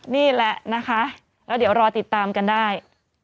นี่แหละนะคะแล้วเดี๋ยวรอติดตามกันได้